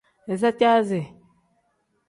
Iza caasi.